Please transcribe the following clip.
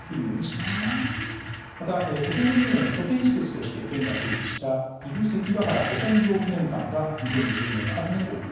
また、古戦場巡りの拠点施設として県が整備した岐阜関ケ原古戦場記念館が２０２０年の秋にオープン。